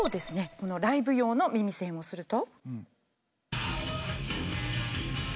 このライブ用の耳栓をすると。